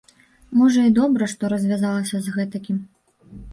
Можа і добра, што развязалася з гэтакім.